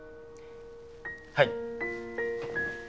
はい。